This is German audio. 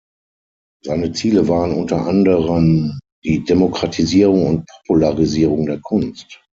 Seine Ziele waren unter anderen die Demokratisierung und Popularisierung der Kunst.